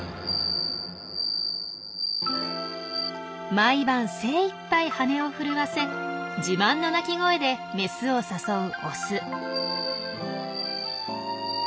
毎晩精いっぱい翅を震わせ自慢の鳴き声でメスを誘うオス。